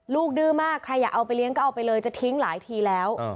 ดื้อมากใครอยากเอาไปเลี้ยงก็เอาไปเลยจะทิ้งหลายทีแล้ว